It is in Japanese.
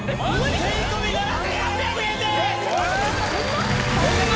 税込７８００円です！ホンマ？